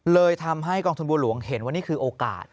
เลยทำให้กองทุนบัวหลวงเห็นว่านี่คือโอกาส